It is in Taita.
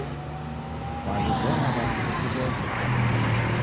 Kwaw'iw'ona w'akichuku w'ose?